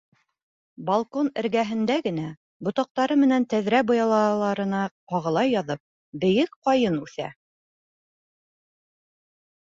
Балкон эргәһендә генә, ботаҡтары менән тәҙрә быялаларына ҡағыла яҙып, бейек ҡайын үҫә.